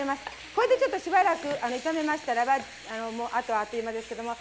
これでちょっとしばらく炒めましたらばあとはアッという間ですけども。